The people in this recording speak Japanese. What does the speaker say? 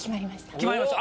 決まりました。